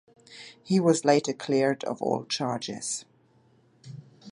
He was later cleared of all charges.